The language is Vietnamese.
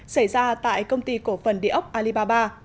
xảy ra tại công ty cổ phần địa ốc alibaba